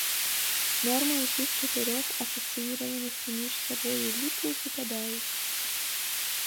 Нормы ўсіх чатырох асацыіраваных паміж сабою лікаў супадаюць.